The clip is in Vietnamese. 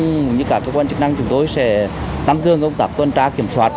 cũng như các cơ quan chức năng chúng tôi sẽ tăng thương công tác quan trạng kiểm soát